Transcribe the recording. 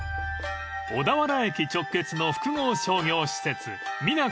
［小田原駅直結の複合商業施設］